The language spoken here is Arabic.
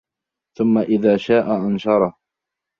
ثُمَّ إِذَا شَاء أَنشَرَهُ